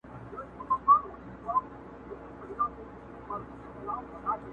• مور او پلار چي زاړه سي تر شکرو لا خواږه سي -